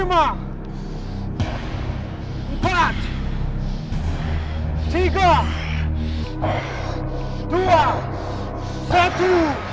mundur dari tujuh